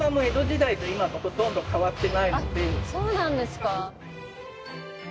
そうなんですか。